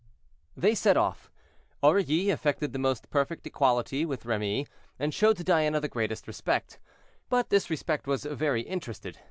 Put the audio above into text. They set off. Aurilly affected the most perfect equality with Remy, and showed to Diana the greatest respect. But this respect was very interested.